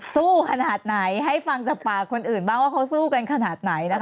สู้ขนาดไหนให้ฟังจากปากคนอื่นมาว่าสู้คือขนาดไหน